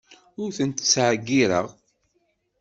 Ur ten-ttɛeyyiṛeɣ.